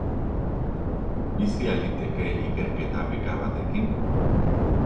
Bizi al liteke ikerketa beka batetik?